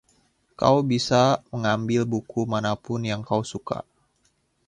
Kau bisa mengambil buku manapun yang kau suka.